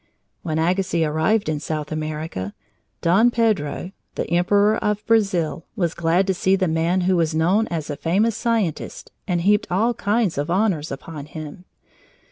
When Agassiz arrived in South America, Don Pedro, the Emperor of Brazil, was glad to see the man who was known as a famous scientist and heaped all kinds of honors upon him.